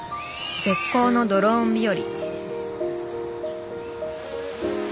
絶好のドローン日和。